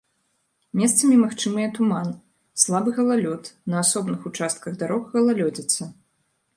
Месцамі магчымыя туман, слабы галалёд, на асобных участках дарог галалёдзіца.